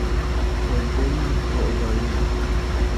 کلبهای رؤیایی